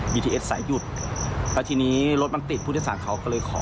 ทีเอสสายหยุดแล้วทีนี้รถมันติดผู้โดยสารเขาก็เลยขอ